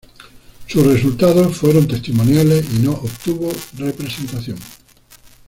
Sus resultados fueron testimoniales y no obtuvo representación.